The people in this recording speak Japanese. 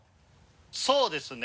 そうですね。